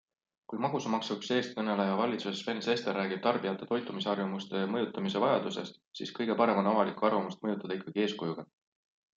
Kui magusamaksu üks eestkõneleja valitsuses Sven Sester räägib tarbijate toitumisharjumuste mõjutamise vajadusest, siis kõige parem on avalikku arvamust mõjutada ikkagi eeskujuga.